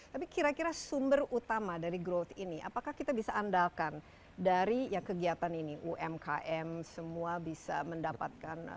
tapi kira kira sumber utama dari growth ini apakah kita bisa andalkan dari kegiatan ini umkm semua bisa mendapatkan